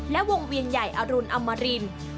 และวงเวียนใหญ่อรุณอมริน